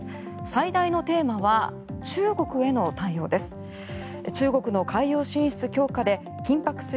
最大のテーマは中国への対応です。